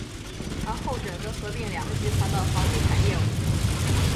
而后者则合并两个集团的房地产业务。